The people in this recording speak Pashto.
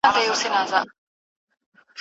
ماتم دی په دې ښار کي جنازې دي چي راځي